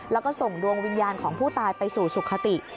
แล้วก็ส่งดวงวิญญาณของผู้ตายไปสู่สุขติ